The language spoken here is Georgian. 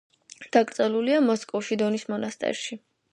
დაკრძალულია მოსკოვში, დონის მონასტერში.